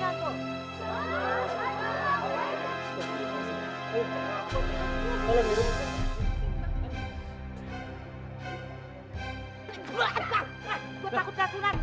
kau takut keracunan